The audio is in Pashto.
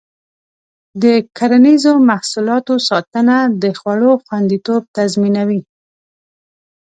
د کرنیزو محصولاتو ساتنه د خوړو خوندیتوب تضمینوي.